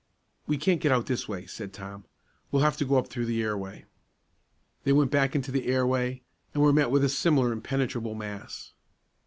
"We can't get out this way," said Tom; "we'll have to go up through the airway." They went back into the airway, and were met by a similar impenetrable mass.